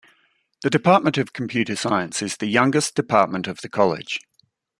The Department of Computer Science is the youngest department of the college.